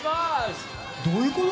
どういうこと？